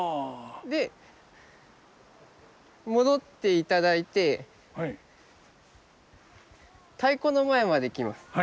で戻っていただいて太鼓の前まで来ます。